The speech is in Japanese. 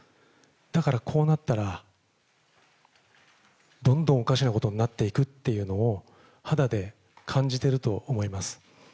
だからこうなったら、どんどんおかしなことになっていくっていうのを肌で感じていると思います。